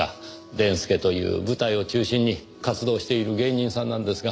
でんすけという舞台を中心に活動している芸人さんなんですが。